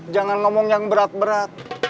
jangan ngomong yang berat berat